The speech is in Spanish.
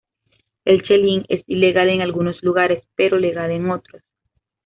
El chelín es ilegal en algunos lugares, pero legal en otros.